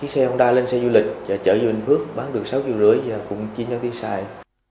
xe honda lên xe du lịch chở về bình phước bán được sáu năm triệu và cùng chi nhau tiến xài